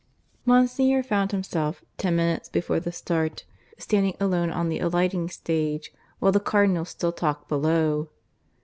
Monsignor found himself, ten minutes before the start, standing alone on the alighting stage, while the Cardinal still talked below.